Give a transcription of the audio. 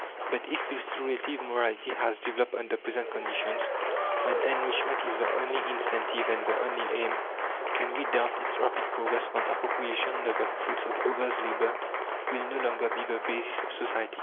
But if this relative morality has developed under present conditions, when enrichment is the only incentive and the only aim, can we doubt its rapid progress when appropriation of the fruits of others' labour will no longer be the basis of society?